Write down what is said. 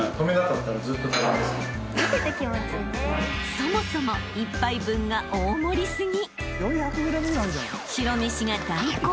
［そもそも一杯分が大盛り過ぎ］